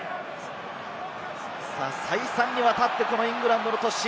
再三に渡ってイングランドの突進。